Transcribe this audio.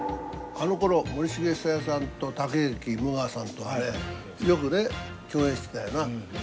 あのころ森繁久彌さんと竹脇無我さんとねよくね共演してたよな。